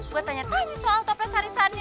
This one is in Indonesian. gua tanya tanya soal toples hari sane